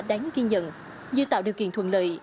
đáng ghi nhận như tạo điều kiện thuận lợi